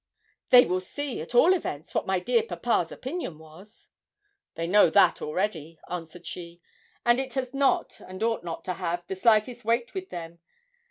'They will see, at all events, what my dear papa's opinion was.' 'They know that already,' answered she, 'and it has not, and ought not to have, the slightest weight with them.